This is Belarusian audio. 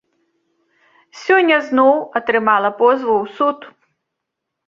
Сёння зноў атрымала позву ў суд.